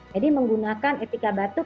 jadi menggunakan etika batuk